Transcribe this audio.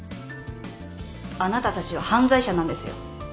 あなたたちは犯罪者なんですよ。